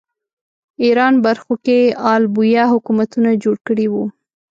ایران برخو کې آل بویه حکومتونه جوړ کړي وو